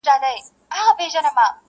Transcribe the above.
خو دننه ماته ده،